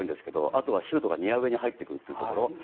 あとシュートがニア上に入っていくというところ。